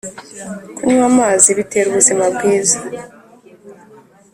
Kunywa amazi bitera ubuzima bwiza